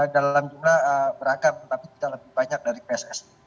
dalam jumlah beragam tapi tidak lebih banyak dari pssi